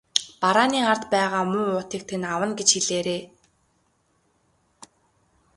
Барааны ард байгаа муу уутыг тань авна гэж хэлээрэй.